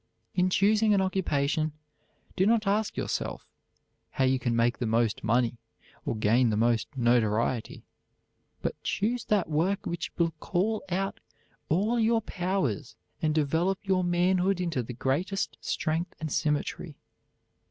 In choosing an occupation, do not ask yourself how you can make the most money or gain the most notoriety, but choose that work which will call out all your powers and develop your manhood into the greatest strength and symmetry.